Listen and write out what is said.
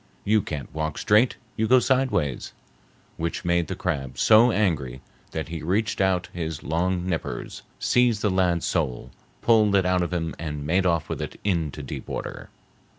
You can't walk straight; you go sidewise,' which made the crab so angry that he reached out his long nippers, seized the lad's soul, pulled it out of him and made off with it into deep water.